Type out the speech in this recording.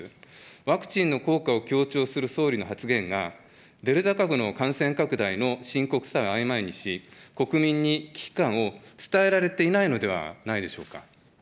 ワクチンの効果を強調する総理の発言が、デルタ株の感染拡大の深刻さをあいまいにし、国民に危機感を伝えられていないのではないでしょうか。